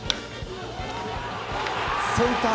センター